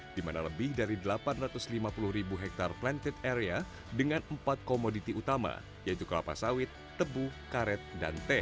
di mana lebih dari delapan ratus lima puluh ribu hektare planted area dengan empat komoditi utama yaitu kelapa sawit tebu karet dan teh